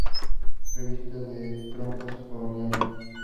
Revista de Tropas Coloniales".